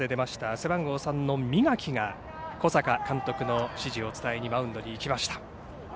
背番号３の三垣が小坂監督の指示を伝えにマウンドに行きました。